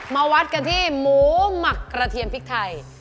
มาวัดกันที่หมูหมักกระเทียมพริกไทย